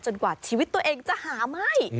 กว่าชีวิตตัวเองจะหาไหม้